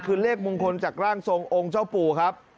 คือเลขมงคลจากร่างทรงองค์เจ้าปู่ครับ